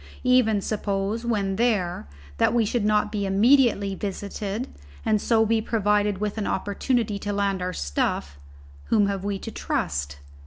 Even suppose, when there, that we should not be immediately visited, and so be provided with an opportunity to land our stuff whom have we to trust?